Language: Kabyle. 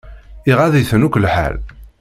Iɣaḍ-iten akk lḥal.